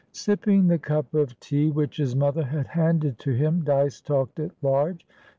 Sipping the cup of tea which his mother had handed to him, Dyce talked at large.